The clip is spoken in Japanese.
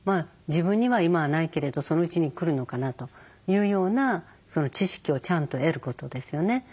自分には今はないけれどそのうちに来るのかなというような知識をちゃんと得ることですよね。